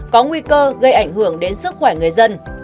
có nguy cơ gây ảnh hưởng đến sức khỏe người dân